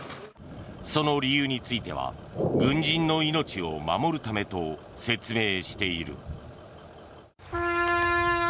その理由については軍人の命を守るためと説明している。